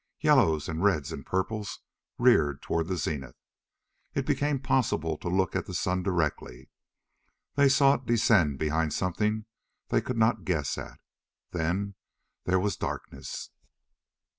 Yellows and reds and purples reared toward the zenith. It became possible to look at the sun directly. They saw it descend behind something they could not guess at. Then there was darkness.